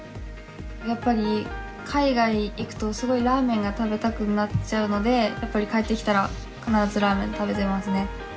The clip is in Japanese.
やっぱり、海外に行くとすごいラーメンが食べたくなっちゃうのでやっぱり帰ってきたら必ずラーメン食べてますね。